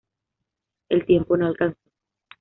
El tiempo no alcanzó.